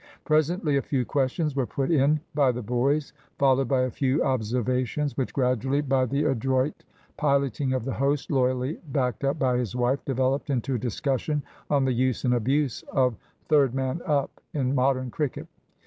Presently a few questions were put in by the boys, followed by a few observations which gradually, by the adroit piloting of the host, loyally backed up by his wife, developed into a discussion on the use and abuse of "third man up" in modern cricket.